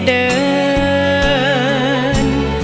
เกี่ยวเดิน